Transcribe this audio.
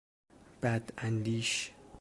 بد اندیش